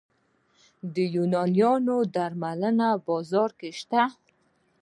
د یوناني درملو بازار شته؟